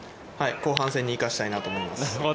後半戦に生かしたいなと思います。